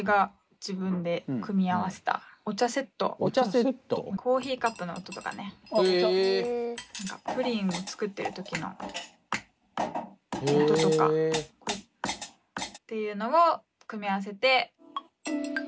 そしてコーヒーカップの音とかね何かプリンを作ってる時の音とかっていうのを組み合わせて。